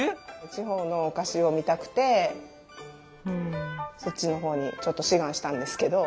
地方のお菓子を見たくてそっちのほうにちょっと志願したんですけど。